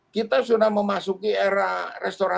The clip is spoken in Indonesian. kita sudah memasuki era restoran